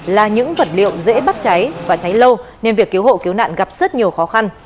là những vật liệu dễ bắt cháy và cháy lâu nên việc cứu hộ cứu nạn gặp rất nhiều khó khăn